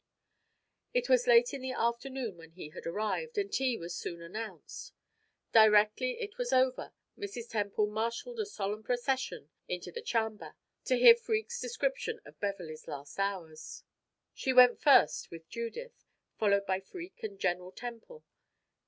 It was late in the afternoon when he had arrived, and tea was soon announced. Directly it was over, Mrs. Temple marshaled a solemn procession into "the charmber" to hear Freke's description of Beverley's last hours. She went first with Judith, followed by Freke and General Temple.